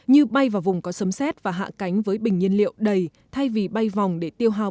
như bay vào vùng có sấm xét và hạ cánh với bình nhiên liệu đầy thay vì bay vòng để tiêu hào